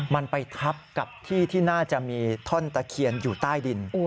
มันไปทับกับที่ที่น่าจะมีท่อนตะเคียนอยู่ใต้ดิน